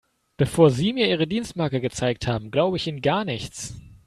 Bevor Sie mir Ihre Dienstmarke gezeigt haben, glaube ich Ihnen gar nichts.